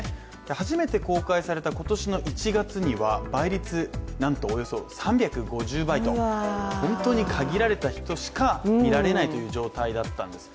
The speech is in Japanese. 初めて公開された今年の１月には倍率、なんと３５０倍と本当に限られた人しか見られない状態だったんです。